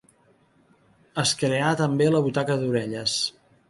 Es creà també la butaca d'orelles.